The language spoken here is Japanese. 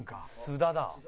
菅田だ。